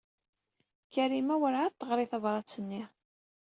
Karima werɛad teɣri tabṛat-nni.